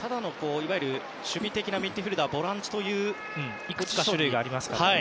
守備的なミッドフィールダーボランチといういくつか種類がありますからね。